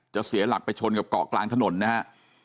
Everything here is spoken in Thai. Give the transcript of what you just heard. เสียหลักไปชนกับเกาะกลางถนนนะฮะ